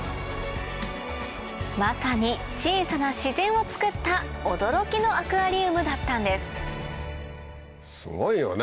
まさに小さな自然をつくった驚きのアクアリウムだったんですすごいよね